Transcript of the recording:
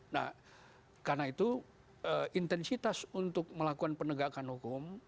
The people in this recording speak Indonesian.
nah karena itu intensitas untuk melakukan penegakan hukum